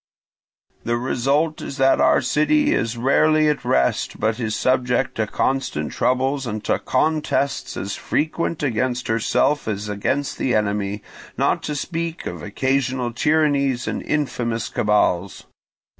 The result is that our city is rarely at rest, but is subject to constant troubles and to contests as frequent against herself as against the enemy, not to speak of occasional tyrannies and infamous cabals.